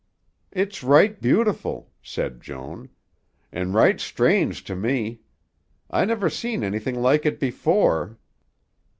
"It's right beautiful," said Joan, "an' right strange to me. I never seen anything like it before.